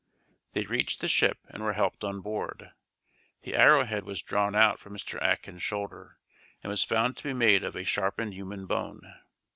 They reached the ship and were helped on board. The arrow head was drawn out from Mr. Atkin's shoulder, and was found to be made of a sharpened human bone.